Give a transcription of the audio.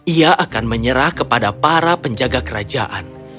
ia akan menyerah kepada para penjaga kerajaan